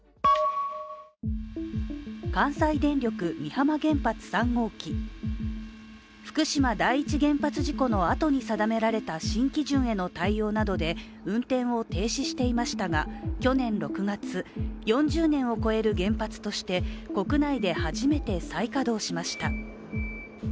関西電力美浜原発３号機、福島第一原発事故のあとに定められた新基準への対応などで運転を停止していましたが去年６月、４０年を超える原発として国内で初めて再稼働しました。